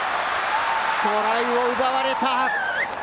トライを奪われた！